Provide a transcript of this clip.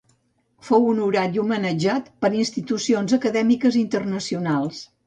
Fou honorat i homenatjat per institucions acadèmiques internacionals.